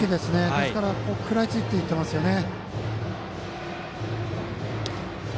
ですから食らいついていってますね。